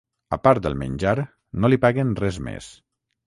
A part el menjar, no li paguen res més.